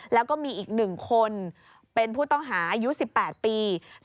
แล้วก็มีอีก๑คนเป็นผู้ต้องหาอายุ๑๘ปี